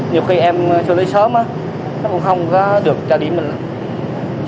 nhiều khi em xử lý sớm nó cũng không có được ra điểm mình